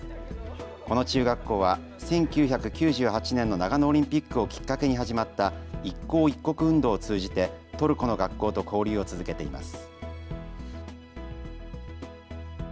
この中学校は１９９８年の長野オリンピックをきっかけに始まった一校一国運動を通じてトルコの学校と交流を続けています。